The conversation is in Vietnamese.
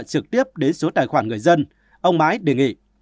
trực tiếp đến số tài khoản người dân ông bái đề nghị